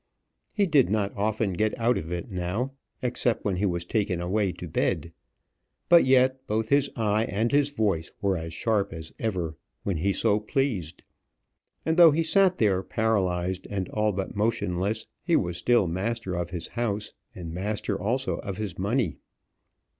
He did not often get out of it now, except when he was taken away to bed; but yet both his eye and his voice were as sharp as ever when he so pleased; and though he sat there paralyzed and all but motionless, he was still master of his house, and master also of his money.